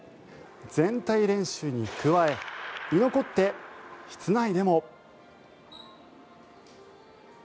全体練習に加え居残って室内でも。